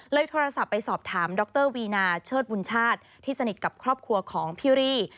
โทรศัพท์ไปสอบถามดรวีนาเชิดบุญชาติที่สนิทกับครอบครัวของพี่รี่